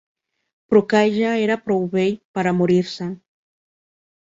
Però que ja era prou vell pera morir-se